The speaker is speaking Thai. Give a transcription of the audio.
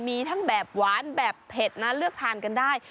มีทั้งแบบหวานแบบเผ็ดนะเลือกทานกันได้